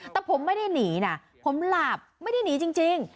แต่ผมไม่ได้หนีนะผมหลับไม่ได้หนีจริง